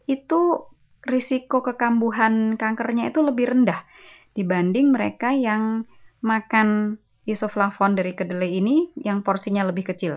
itu risiko kekambuhan kankernya itu lebih rendah dibanding mereka yang makan isoflavon dari kedelai ini yang porsinya lebih kecil